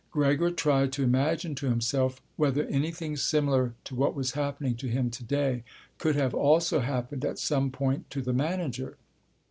Gregor tried to imagine to himself whether anything similar to what was happening to him today could have also happened at some point to the manager.